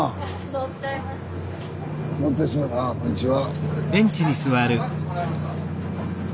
こんにちは。